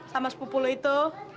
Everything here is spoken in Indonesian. sama sepupu lo itu